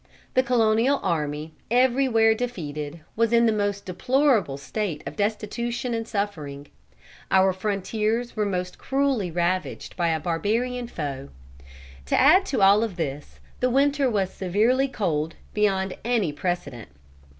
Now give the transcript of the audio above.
The colonial army, everywhere defeated, was in the most deplorable state of destitution and suffering. Our frontiers were most cruelly ravaged by a barbarian foe. To add to all this, the winter was severely cold, beyond any precedent.